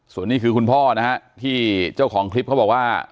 ส่วนนี้คือคุณพ่อนะฮะที่เจ้าของคลิปเขาบอกว่า